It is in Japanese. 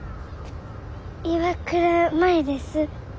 岩倉舞です。